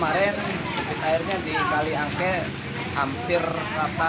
kalau untuk kemarin ketinggian airnya di kaliangke hampir rata